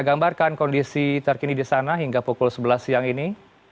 gambarkan kondisi terkini di sana hingga pukul sebelas siang ini